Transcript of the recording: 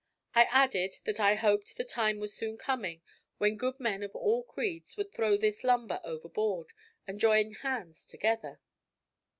I added that I hoped the time was soon coming when good men of all creeds would throw this lumber overboard and join hands together.